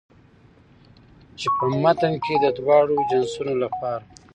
چې په متن کې د دواړو جنسونو لپاره